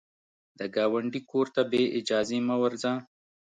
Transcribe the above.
د ګاونډي کور ته بې اجازې مه ورځه